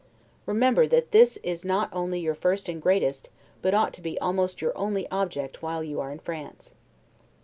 Remember, that this is not only your first and greatest, but ought to be almost your only object, while you are in France.